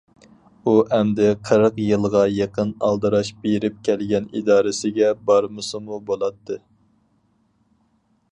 ئۇ ئەمدى قىرىق يىلغا يېقىن ئالدىراش بېرىپ كەلگەن ئىدارىسىگە بارمىسىمۇ بولاتتى.